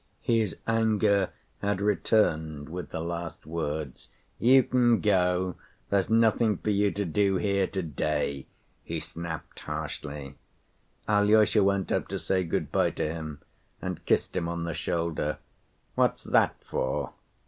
His anger had returned with the last words. "You can go. There's nothing for you to do here to‐day," he snapped harshly. Alyosha went up to say good‐by to him, and kissed him on the shoulder. "What's that for?"